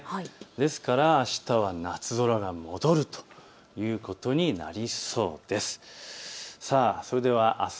ですからあしたは夏空が戻るということです。